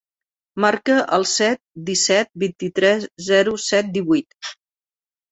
Marca el set, disset, vint-i-tres, zero, set, divuit.